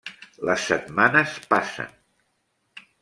Les setmanes passen.